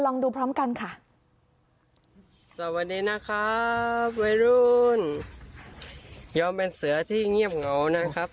ลองดูพร้อมกันค่ะสวัสดีนะครับวัยรุ่นยอมเป็นเสือที่เงียบเหงานะครับ